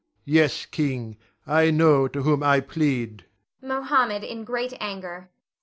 Yes, king, I know to whom I plead. Moh'd.